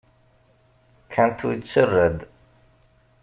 Quinto yettarra-d.